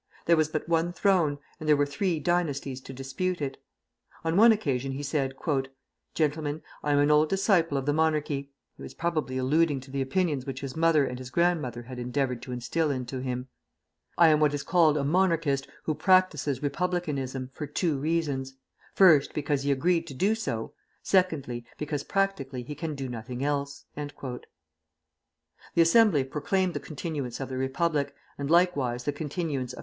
There was but one throne, and there were three dynasties to dispute it. On one occasion he said: "Gentlemen, I am an old disciple of the monarchy [he was probably alluding to the opinions which his mother and his grandmother had endeavored to instil into him]. I am what is called a Monarchist who practises Republicanism for two reasons, first, because he agreed to do so, secondly, because practically he can do nothing else." The Assembly proclaimed the continuance of the Republic, and likewise the continuance of M.